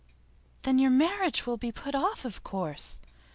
'Then your marriage must be put off, of course?